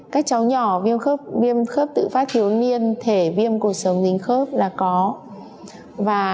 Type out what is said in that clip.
các cháu nhỏ viêm khớp tự phát thiếu niên thể viêm cột sống dính khớp là có